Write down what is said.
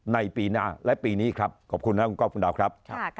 ในปีหน้าและปีนี้ครับขอบคุณครับคุณก๊อบคุณดาวครับ